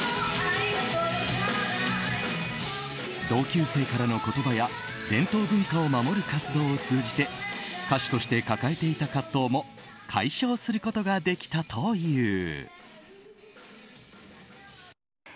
同級生からの言葉や伝統文化を守る活動を通じて歌手として抱えていた葛藤も解消することができたという。